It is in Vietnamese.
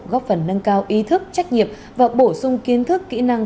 góp phần nâng cao ý thức trách nhiệm và bổ sung kiến thức kỹ năng